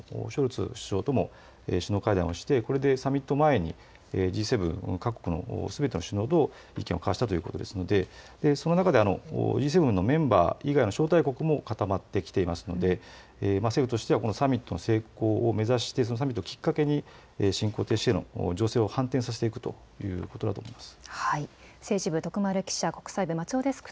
これに先立って１８日にはドイツのショルツ首相とも首脳会談をして、これでサミット前にＧ７各国のすべての首脳と意見を交わしたということですのでその中でＧ７のメンバー以外の招待国も固まってきていますので政府としてはこのサミットの成功を目指してサミットをきっかけに侵攻停止への情勢を反転させていくということだと思います。